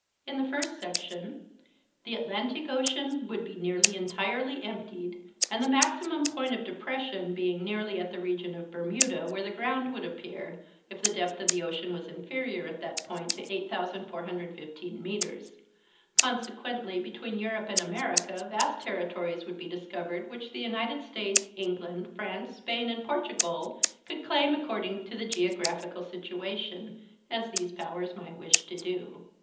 In the first section: The Atlantic Ocean would be nearly entirely emptied and the maximum point of depression being nearly at the region of Bermuda, where the ground would appear, if the depth of the ocean was inferior at that point to 8,415 metres. Consequently between Europe and America vast territories would be discovered which the United States, England, France, Spain, and Portugal could claim according to the geographical situation, as these powers might wish to do.